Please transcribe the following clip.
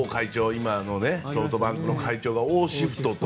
今のソフトバンクの会長が王シフト。